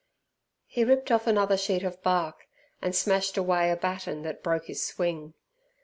He ripped off another sheet of bark, and smashed away a batten that broke his swing.